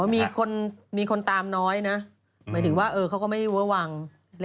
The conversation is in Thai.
มีคนตามน้อยนะหมายถึงว่าเขาก็ไม่เมื่อวังเล็กน้อย